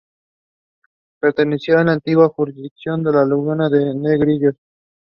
Perteneció a la antigua Jurisdicción de Laguna de Negrillos.